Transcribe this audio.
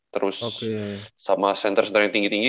terus sama center center yang tinggi tinggi